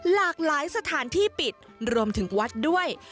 หลากหลายสถานที่ปิดรวมถึงวัดด้วย